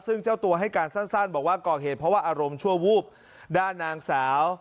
ซึ่งเจ้าตัวให้การสั้นบอกว่าก่อเหตุเพราะว่าอารมณ์ชั่ววูบด้านนางสาว